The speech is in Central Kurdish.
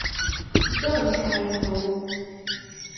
زۆرم پێ عەیب بوو